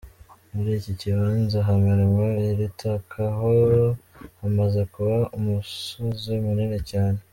Muri iki kibanza hamenwa iri taka ho hamaze kuba umusozi munini cyane.